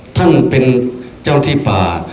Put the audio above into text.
ท่านเป็นเจ้าที่ป่า